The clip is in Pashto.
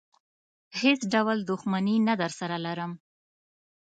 هېڅ ډول دښمني نه درسره لرم.